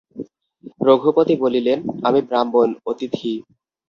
রঘুপতি বলিলেন, আমি ব্রাহ্মণ, অতিথি।